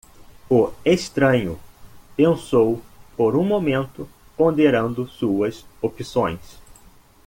O estranho pensou por um momento, ponderando suas opções.